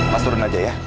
mas turun aja ya